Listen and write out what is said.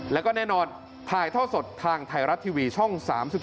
แล้วก็แน่นอนถ่ายท่อสดทางไทยรัฐทีวีช่อง๓๒